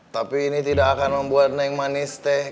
tapi ini tidak akan membuat neng manis teh